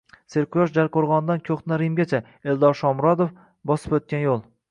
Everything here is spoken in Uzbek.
Serquyosh Jarqo‘rg‘ondan ko‘hna Rimgacha. Eldor Shomurodov bosib o‘tgan yo‘l